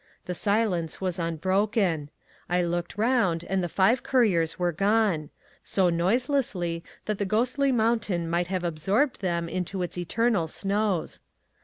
The silence was unbroken. I looked round, and the five couriers were gone: so noiselessly that the ghostly mountain might have absorbed them into its eternal snows.